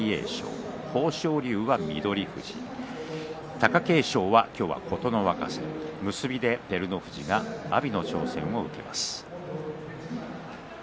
貴景勝は琴ノ若戦そして結びは照ノ富士が阿炎の挑戦を受けます。